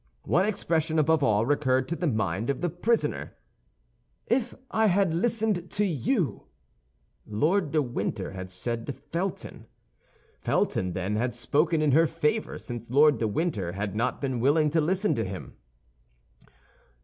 One expression above all recurred to the mind of the prisoner: "If I had listened to you," Lord de Winter had said to Felton. Felton, then, had spoken in her favor, since Lord de Winter had not been willing to listen to him.